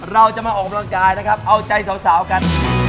เราจะมาออกกำลังกายนะครับเอาใจสาวกัน